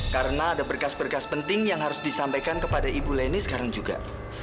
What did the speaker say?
karena ada berkas berkas penting yang harus disampaikan kepada ibu leni sekarang juga